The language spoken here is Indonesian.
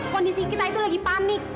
kondisi kita itu lagi panik